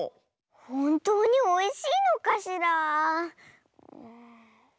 ほんとうにおいしいのかしら。